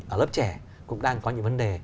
ở lớp trẻ cũng đang có những vấn đề